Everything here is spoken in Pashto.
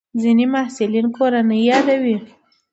ځینې محصلین د کورنۍ یادوي.